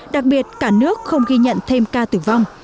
đặc biệt cả nước không ghi nhận thêm ca tử vong